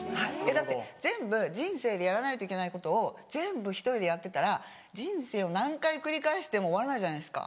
だって全部人生でやらないといけないことを全部１人でやってたら人生を何回繰り返しても終わらないじゃないですか。